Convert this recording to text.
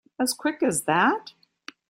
As quick as that?